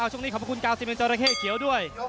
ช่วงนี้ขอบคุณกาลสิเมนเจาระเก้เกียวด้วย